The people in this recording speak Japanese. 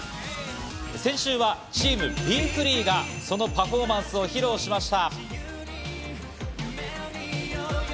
先週はチームＢｅＦｒｅｅがそのパフォーマンスを披露しました。